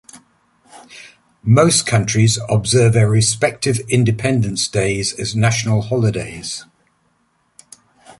Most countries observe their respective independence days as national holidays.